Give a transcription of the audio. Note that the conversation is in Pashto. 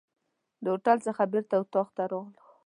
د هوټل څخه بیرته اطاق ته راغلو.